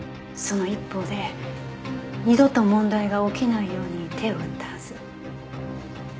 その一方で二度と問題が起きないように手を打ったはず。